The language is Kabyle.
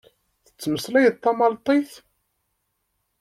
Tettmeslayeḍ tamalṭit?